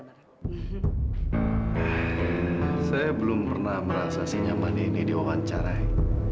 saya belum pernah merasa sinyaman ini diwawancarai